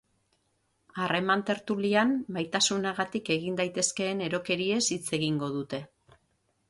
Harreman tertulian, maitasunagatik egin daitezkeen erokeriez hitz egingo dute.